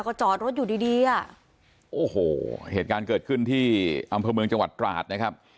ก็จอดรถอยู่ดีดีอ่ะโอ้โหเหตุการณ์เกิดขึ้นที่อำเภอเมืองจังหวัดตราดนะครับ